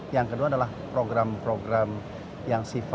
yang kedua adalah program program yang kita lakukan